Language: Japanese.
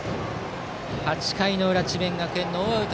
８回の裏、智弁学園ノーアウト